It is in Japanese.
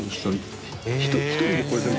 １人でこれ全部？